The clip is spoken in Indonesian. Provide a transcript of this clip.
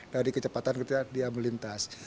dari kecepatan ketika dia melintas